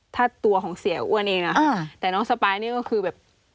ถ้าตัวของเสียอ้วนเองนะแต่น้องสปายนี่ก็คือแบบ